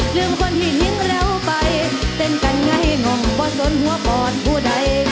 เรื่องคนที่ลิ้งเราไปเต้นกันไงง่องบอสล้นหัวปอดผู้ใด